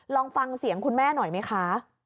ลองฟังเสียงคุณแม่หน่อยไหมคะ